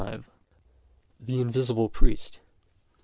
CXVII. THE INVISIBLE PRIEST.